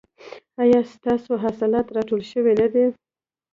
ایا ستاسو حاصلات راټول شوي نه دي؟